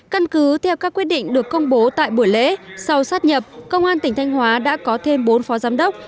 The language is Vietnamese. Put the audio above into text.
căn cứ theo các quyết định được công bố tại buổi lễ sau sát nhập công an tỉnh thanh hóa đã có thêm bốn phó giám đốc